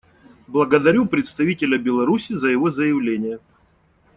Благодарю представителя Беларуси за его заявление.